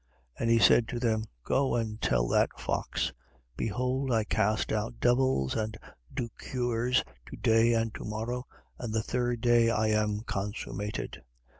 13:32. And he said to them: Go and tell that fox: Behold, I cast out devils and do cures, to day and to morrow, and the third day I am consummated.